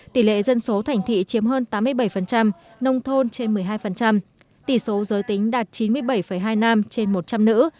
tỷ lệ dân số thành thị chiếm hơn tám mươi bảy nông thôn trên một mươi hai tỷ số giới tính đạt chín mươi bảy hai nam trên một trăm linh nữ